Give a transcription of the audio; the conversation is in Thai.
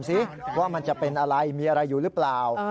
สิว่ามันจะเป็นอะไรมีอะไรอยู่หรือเปล่า